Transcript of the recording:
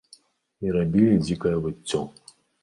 І рабілі дзікае выццё.